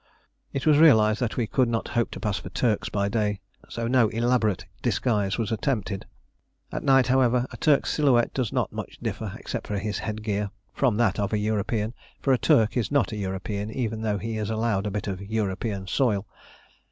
It was realised that we could not hope to pass for Turks by day, so no elaborate disguise was attempted. At night, however, a Turk's silhouette does not much differ, except for his headgear, from that of a European for a Turk is not a European, even though he is allowed a bit of European soil.